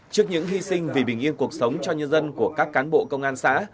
trước những hy sinh vì bình yên cuộc sống cho nhân dân của các cán bộ công an xã